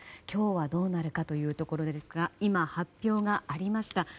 今日はどうなるかというところですが今、発表がありました。